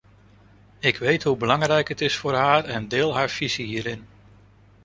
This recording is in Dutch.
Ik weet hoe belangrijk het is voor haar en ik deel haar visie hierin.